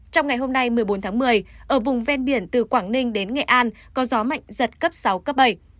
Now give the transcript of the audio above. trong ngày hôm nay một mươi bốn tháng một mươi ở vùng ven biển từ quảng ninh đến nghệ an có gió mạnh giật cấp sáu cấp bảy